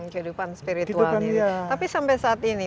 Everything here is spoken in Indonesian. kehidupan spiritual ini tapi sampai saat ini